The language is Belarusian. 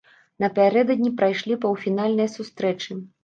Напярэдадні прайшлі паўфінальныя сустрэчы.